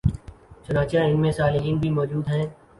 چنانچہ ان میں صالحین بھی موجود ہیں